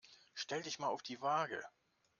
Stell dich mal auf die Waage.